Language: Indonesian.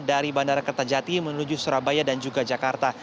dari bandara kertajati menuju surabaya dan juga jakarta